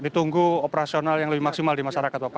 ditunggu operasional yang lebih maksimal di masyarakat bapak